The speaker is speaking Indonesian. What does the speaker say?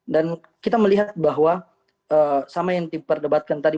dan kita melihat bahwa sama yang diperdebatkan tadi